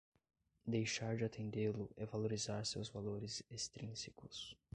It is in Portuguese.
Deixar de atendê-lo é valorizar seus valores extrínsecos